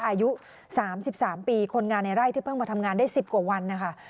อายุสามสิบสามปีคนงานในไร่ที่เพิ่งมาทำงานได้สิบกว่าวันนะคะ